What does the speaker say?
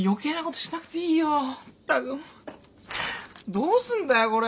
どうすんだよこれ。